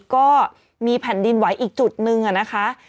ก็มีแผ่นดินไหวอีกจุดนึงนะคะ